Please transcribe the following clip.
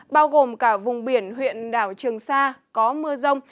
bao gồm cả vùng biển huyện đảo trường sa có mưa rông